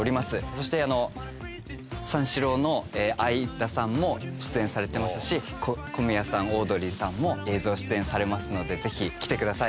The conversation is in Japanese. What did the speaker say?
そして三四郎の相田さんも出演されてますしこ小宮さんオードリーさんも映像出演されますのでぜひ来てください。